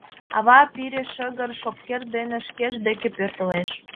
Ава пире шыгыр шопкер дене шкеж деке пӧртылеш.